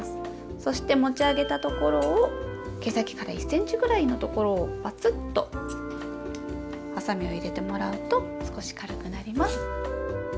そして持ち上げたところを毛先から１ｃｍぐらいのところをバツッとハサミを入れてもらうと少し軽くなります。